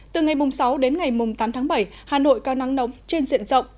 từ ngày sáu đến ngày tám tháng bảy hà nội có nắng nóng trên diện rộng